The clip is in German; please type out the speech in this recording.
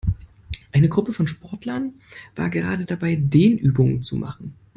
Eine Gruppe von Sportlern war gerade dabei, Dehnübungen zu machen.